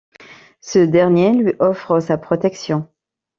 Ce dernier lui offre sa protection.